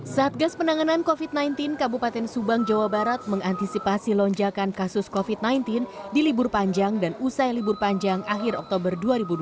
saat gas penanganan covid sembilan belas kabupaten subang jawa barat mengantisipasi lonjakan kasus covid sembilan belas di libur panjang dan usai libur panjang akhir oktober dua ribu dua puluh